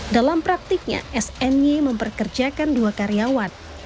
dalam praktiknya sny memperkerjakan dua karyawan